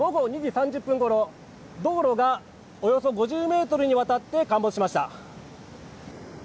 午後２時３０分ごろ道路がおよそ５０メートルにわたって陥没しました。